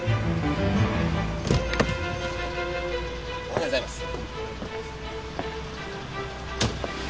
おはようございます。